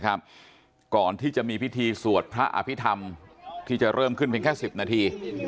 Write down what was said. นะครับก่อนที่จะมีพิธีสวดพระอภิษฐรรมที่จะเริ่มขึ้นเป็นแค่สิบนาที